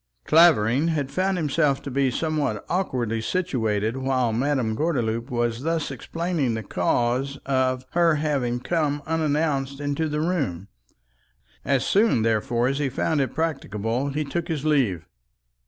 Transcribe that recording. Clavering had found himself to be somewhat awkwardly situated while Madame Gordeloup was thus explaining the causes of her having come unannounced into the room; as soon, therefore, as he found it practicable, he took his leave.